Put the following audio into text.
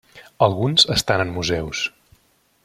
Alguns estan en museus.